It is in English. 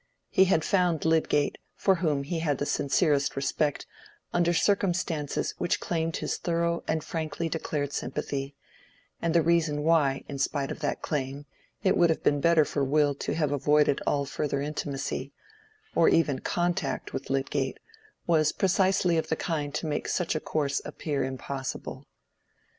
He had found Lydgate, for whom he had the sincerest respect, under circumstances which claimed his thorough and frankly declared sympathy; and the reason why, in spite of that claim, it would have been better for Will to have avoided all further intimacy, or even contact, with Lydgate, was precisely of the kind to make such a course appear impossible.